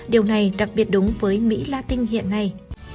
điều này đặc biệt đúng với mỹ latin hiện nay